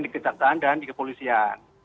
di kejaksaan dan di kepolisian